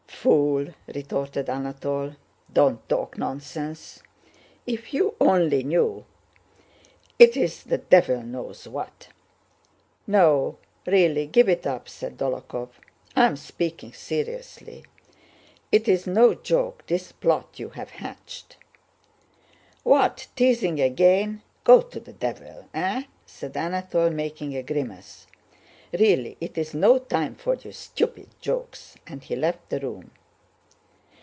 "Fool," retorted Anatole. "Don't talk nonsense! If you only knew... it's the devil knows what!" "No, really, give it up!" said Dólokhov. "I am speaking seriously. It's no joke, this plot you've hatched." "What, teasing again? Go to the devil! Eh?" said Anatole, making a grimace. "Really it's no time for your stupid jokes," and he left the room.